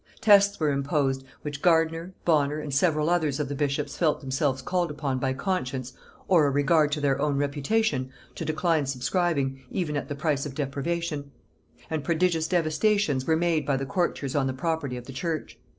Tests were imposed, which Gardiner, Bonner, and several others of the bishops felt themselves called upon by conscience, or a regard to their own reputation, to decline subscribing, even at the price of deprivation; and prodigious devastations were made by the courtiers on the property of the church.